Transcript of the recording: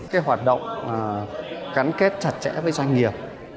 cái hoạt động gắn kết chặt chẽ với doanh nghiệp